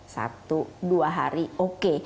satu dua hari oke